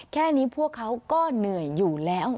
แค่นี้พวกเขาก็เหนื่อยอยู่แล้ว